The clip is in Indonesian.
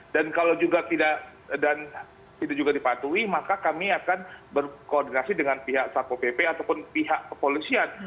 dan kalau juga tidak dipatuhi maka kami akan berkoordinasi dengan pihak sapo pp ataupun pihak kepolisian